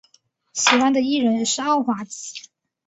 喜欢的艺人是奥华子。